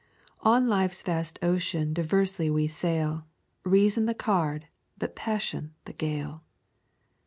'On life's vast ocean diversely we sail, Reason the card, but passion is the gale.'